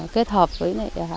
kết hợp với